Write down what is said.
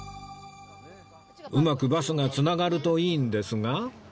うまくバスが繋がるといいんですが